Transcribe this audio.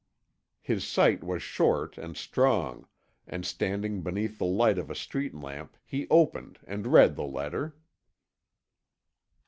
His sight was short and strong, and standing beneath the light of a street lamp he opened and read the letter.